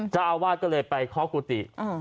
เจ้าอาวาสก็เลยไปเคาะกุฏิ